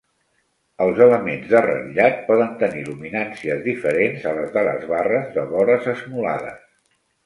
Els elements de ratllat poden tenir luminàncies diferents a les de les barres de vores esmolades.